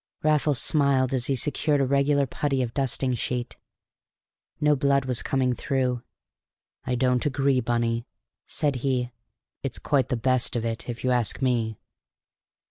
Raffles smiled as he secured a regular puttee of dust sheeting. No blood was coming through. "I don't agree, Bunny," said he. "It's quite the best of it, if you ask me."